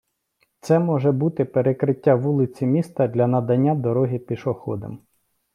Це може бути перекриття вулиці міста для надання дороги пішоходам.